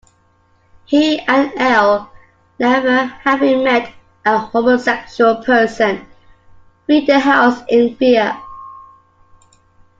He and Earl, never having met a homosexual person, flee the house in fear.